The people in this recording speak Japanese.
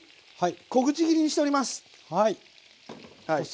小口切りにしております。